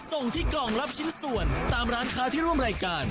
ส่งที่กล่องรับชิ้นส่วนตามร้านค้าที่ร่วมรายการ